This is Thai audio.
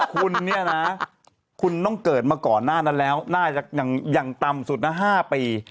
คุณเนี่ยนะคุณต้องเกิดมาก่อนหน้านั้นแล้วน่าจะอย่างต่ำสุดนะ๕ปี